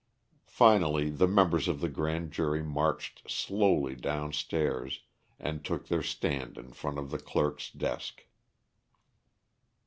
Finally the members of the grand jury marched slowly down stairs, and took their stand in front of the clerk's desk.